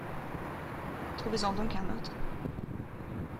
Trouvez-en donc un autre.